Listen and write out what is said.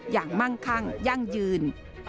อย่างมั่งคั่งยั่งยืน